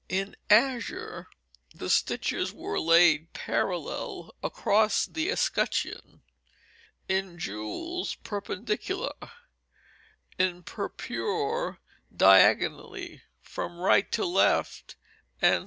In azure the stitches were laid parallel across the escutcheon; in gules, perpendicular; in purpure, diagonally from right to left, and so on.